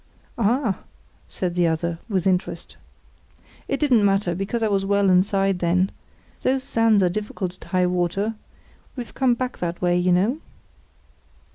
"Ah!" said the other, with interest. "It didn't matter, because I was well inside then. Those sands are difficult at high water. We've come back that way, you know."